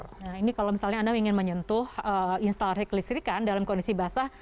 nah ini kalau misalnya anda ingin menyentuh installer listrik kan dalam kondisi basah